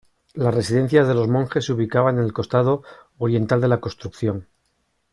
Las residencias de los monjes se ubicaban en el costado oriental de la construcción.